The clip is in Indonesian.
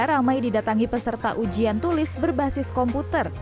ramai didatangi peserta ujian tulis berbasis komputer